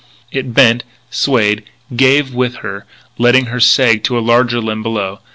It bent, swayed, gave with her, letting her sag to a larger limb below.